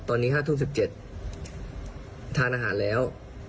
ตอนนี้๕ทุ่ม๑๗ทานอาหารแล้ว